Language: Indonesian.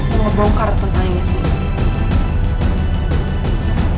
mau ngebongkar tentang ini semua